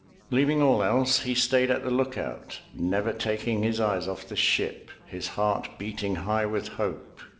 Leaving all else, he stayed at the lookout, never taking his eyes off the ship, his heart beating high with hope.